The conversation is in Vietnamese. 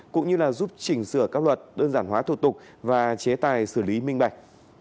cũng như là giúp chỉnh sửa các luật đơn giản hóa thủ tục và chế tài xử lý minh bạch